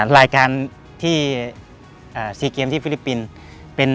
รายการที่๔เกมที่ฟิลิปปินส์